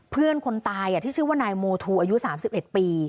เพื่อนคนตายอ่ะที่ชื่อว่านายโมทูอายุสามสิบเอ็ดปี